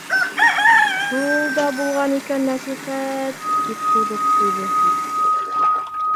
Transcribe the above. Шул да булған икән нәсихәт! — тип һуҙып ҡуйҙы.